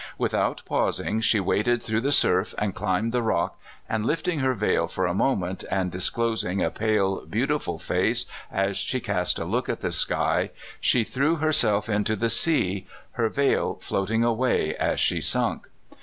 Without pausing she waded through the surf and climbed the rock, and, lifting her veil for a moment and disclosing a pale, beautiful face as she cast a look at the sky, she threw herself into the sea, her veil floating away as she sunk.